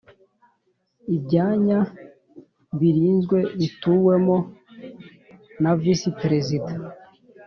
ibyanya birinzwe bituwemo na Visi perezida